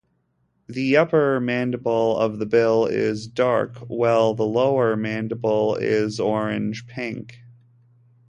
The upper mandible of the bill is dark, while the lower mandible is orange-pink.